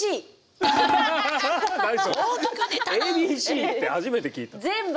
ＡＢＣって初めて聞いた。